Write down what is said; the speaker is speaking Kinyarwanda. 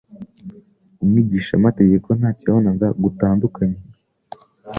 umwigishamategeko ntacyo yabonaga gutandukanye